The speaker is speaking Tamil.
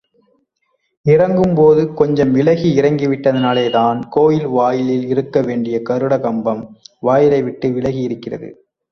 இறங்கும் போது கொஞ்சம் விலகி இறங்கிவிட்டதினாலேதான் கோயில் வாயிலில் இருக்க வேண்டிய கருட கம்பம், வாயிலை விட்டு விலகியிருக்கிறது.